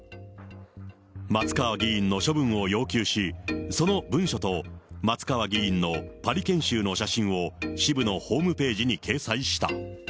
松川議員の処分を要求し、その文書と松川議員のパリ研修の写真を支部のホームページに掲載した。